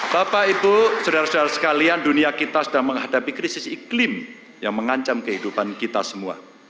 bapak ibu saudara saudara sekalian dunia kita sedang menghadapi krisis iklim yang mengancam kehidupan kita semua